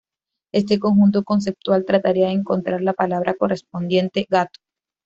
Este conjunto conceptual trataría de encontrar la palabra correspondiente {gato}.